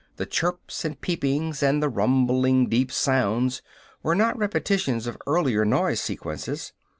The chirps and peepings and the rumbling deep sounds were not repetitions of earlier noise sequences.